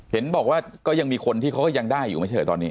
เห็นบอกว่าก็ยังมีคนที่เขาก็ยังได้อยู่ไม่ใช่ตอนนี้